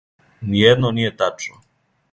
Ниједно није тачно.